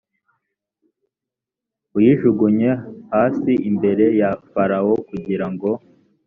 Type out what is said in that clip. uyijugunye hasi imbere ya farawo kugira ng